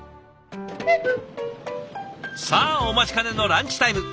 さあお待ちかねのランチタイム！